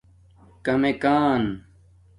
کمک آن